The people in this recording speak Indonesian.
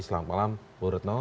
selamat malam bu retno